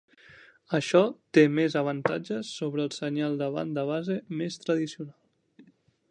Això té més avantatges sobre el senyal de banda base més tradicional.